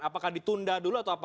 apakah ditunda dulu atau apa